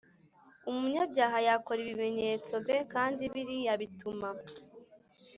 umunyabyaha yakora ibimenyetso b nka biriya Bituma